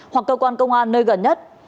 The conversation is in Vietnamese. hoặc cơ quan công an nơi gần nhất